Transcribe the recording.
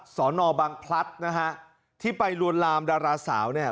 สรบังพลัทธิ์นะฮะที่ไปลวนลามดราลาสาวเนี่ย